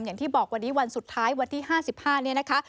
อย่างที่บอกวันนี้วันสุดท้ายวันที่๕๕เนี่ยนะคะ